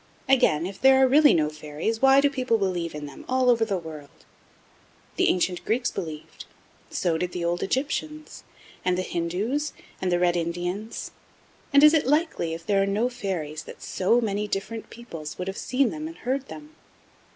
Again, if there are really no fairies, why do people believe in them, all over the world? The ancient Greeks believed, so did the old Egyptians, and the Hindoos, and the Red Indians, and is it likely, if there are no fairies, that so many different peoples would have seen and heard them?